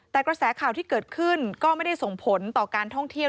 แต่กระแสข่าวที่เกิดขึ้นก็ไม่ได้ส่งผลต่อการท่องเที่ยว